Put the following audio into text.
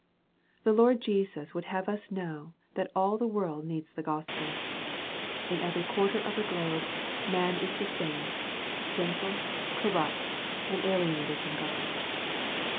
The Lord Jesus would have us know that all the world needs the Gospel. In every quarter of the glohe man is the same, sinful, corrupt, and alienated from God.